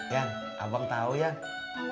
yang abang tau yang